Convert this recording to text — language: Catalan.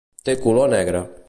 Té color negre.